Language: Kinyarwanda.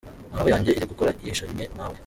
Na roho yanjye irigukora yihishanye nawe.